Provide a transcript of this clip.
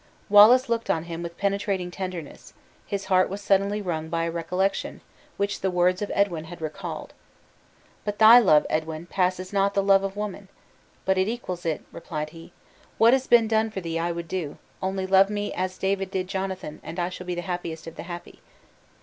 Wallace looked on him with penetrating tenderness; his heart was suddenly wrung by a recollection, which the words of Edwin had recalled. "But thy love, Edwin, passes not the love of woman!" "But it equals it," replied he; "what has been done for thee I would do; only love me as David did Jonathan, and I shall be the happiest of the happy."